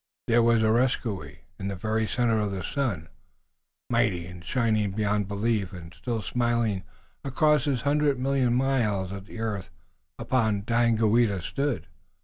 There was Areskoui, in the very center of the sun, mighty and shining beyond belief, and still smiling across his hundred million miles at the earth upon which Daganoweda stood.